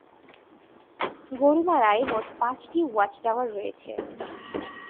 গোরুমারায় মোট পাঁচটি ওয়াচ-টাওয়ার রয়েছে।